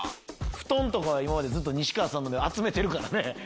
布団とかは今までずっと西川さんので集めてるからね。